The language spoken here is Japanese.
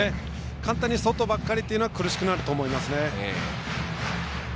簡単に外ばかりというのは苦しくなりますね。